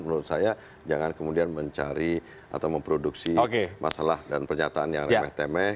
menurut saya jangan kemudian mencari atau memproduksi masalah dan pernyataan yang remeh temeh